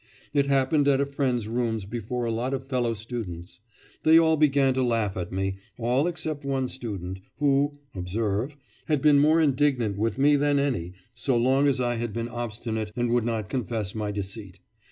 It happened at a friend's rooms before a lot of fellow students. They all began to laugh at me, all except one student, who, observe, had been more indignant with me than any, so long as I had been obstinate and would not confess my deceit.